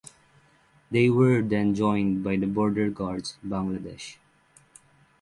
They were then joined by the Border Guards Bangladesh.